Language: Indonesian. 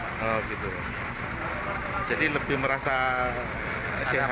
oh gitu jadi lebih merasa sehat